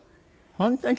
本当に？